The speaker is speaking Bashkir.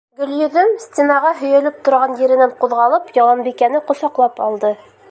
Гөлйөҙөм, стенаға һөйәлеп торған еренән ҡуҙғалып, Яланбикәне ҡосаҡлап алды: